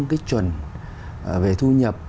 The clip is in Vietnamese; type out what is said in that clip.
cái chuẩn về thu nhập